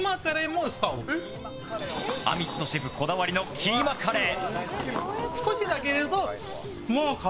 アミットシェフこだわりのキーマカレー！